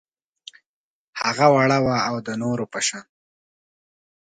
هغه وړه وه او د نورو په شان